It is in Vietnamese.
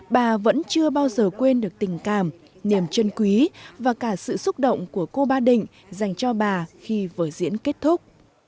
bà vẫn chưa bao giờ quên được tình cảm niềm chân quý và cả sự xúc động của cô ba định dành cho bà khi vở diễn kết thúc